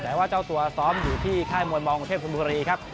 แต่ว่าเจ้าตัวซ้อมอยู่ที่ค่ายมวยมองกรุงเทพคุณบุรีครับ